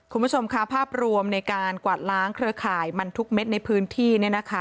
คุณผู้ชมค่ะภาพรวมในการกวาดล้างเครือข่ายมันทุกเม็ดในพื้นที่